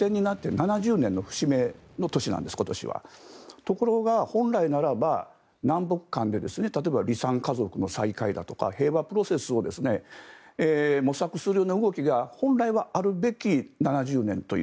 ところが本来ならば南北間で例えば離散家族の再会だとか平和プロセスを模索する動きが本来はあるべき７０年という。